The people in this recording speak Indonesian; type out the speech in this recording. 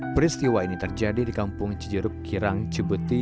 peristiwa ini terjadi di kampung cijerup kirang cibuti